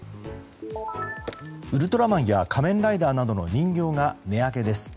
ウルトラマンや仮面ライダーなどの人形が値上げです。